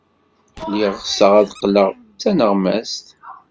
Lliɣ ɣseɣ ad qqleɣ d taneɣmast.